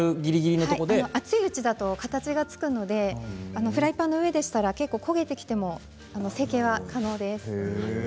熱いうちですと形がつくのでフライパンの上ですと焦げてきても成型が可能です。